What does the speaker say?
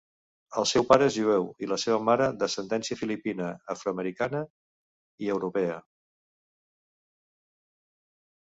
El seu pare és jueu i la seva mare d'ascendència filipina, afroamericana i europea.